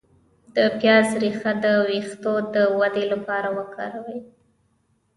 د پیاز ریښه د ویښتو د ودې لپاره وکاروئ